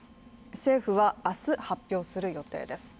政府は明日発表する予定です。